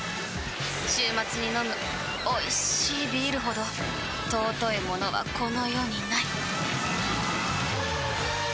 週末に飲むおいしいビールほど尊いものはこの世にない！